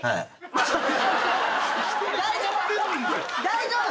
大丈夫？